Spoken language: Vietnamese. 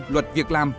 luật việc làm